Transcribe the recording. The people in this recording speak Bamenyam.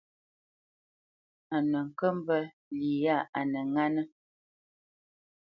A nə kə́ mbə́ lí yâ a nə ŋánə́.